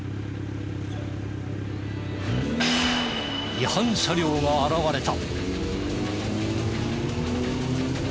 違反車両が現れた。